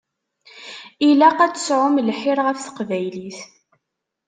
Ilaq ad tesɛum lḥir ɣef teqbaylit.